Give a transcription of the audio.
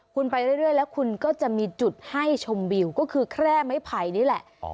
คุณไปเรื่อยแล้วคุณก็จะมีจุดให้ชมวิวก็คือแคร่ไม้ไผ่นี่แหละ